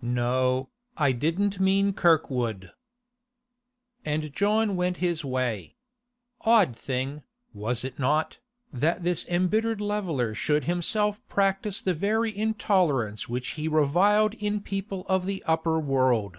'No, I didn't mean Kirkwood.' And John went his way. Odd thing, was it not, that this embittered leveller should himself practise the very intolerance which he reviled in people of the upper world.